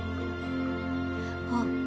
あっ。